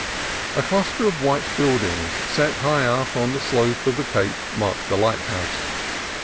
A cluster of white buildings set high up on the slope of the cape marked the lighthouse.